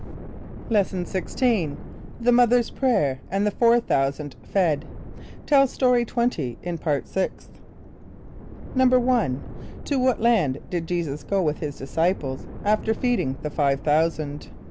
= Lesson XVI. The Mother's Prayer, and the Four Thousand Fed. (Tell Story 20 in Part Sixth.) =1.= To what land did J[=e]´[s+]us go with his disciples after feeding the five thousand?